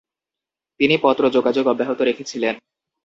তিনি পত্র যোগাযোগ অব্যাহত রেখেছিলেন।